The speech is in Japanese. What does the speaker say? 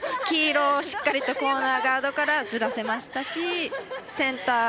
黄色をしっかりとコーナーガードからずらせましたし。